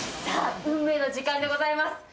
さあ、運命の時間でございます。